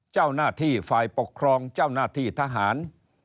เจ้าหน้าที่ฝ่ายปกครองเจ้าหน้าที่ทหาร